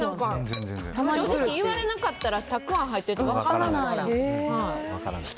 正直言われなかったらたくあん入ってるって分からないです。